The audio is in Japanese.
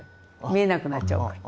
見えなくなっちゃうから。